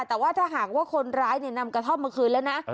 แต่ว่าถ้าหากว่าคนร้ายนำกระท่อมมาคืนแล้วนะ